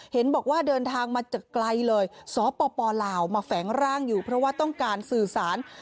เห็นบอกว่าเดินทางมาจากไกลเลยสปลาวมาแฝงร่างอยู่เพราะว่าต้องการสื่อสาร